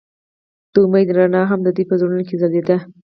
د امید رڼا هم د دوی په زړونو کې ځلېده.